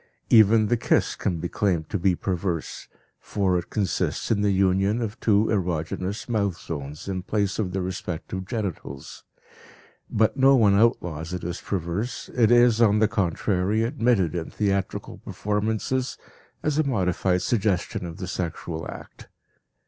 Even the kiss can be claimed to be perverse, for it consists in the union of two erogenous mouth zones in place of the respective genitals. But no one outlaws it as perverse, it is, on the contrary, admitted in theatrical performances as a modified suggestion of the sexual act.